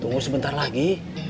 tunggu sebentar lagi